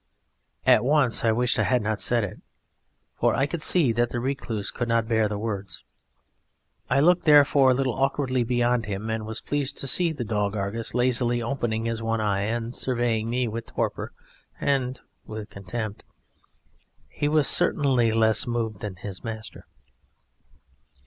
At once I wished I had not said it, for I could see that the Recluse could not bear the words. I looked therefore a little awkwardly beyond him and was pleased to see the dog Argus lazily opening his one eye and surveying me with torpor and with contempt. He was certainly less moved than his master.